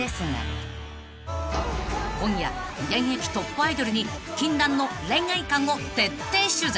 ［今夜現役トップアイドルに禁断の恋愛観を徹底取材］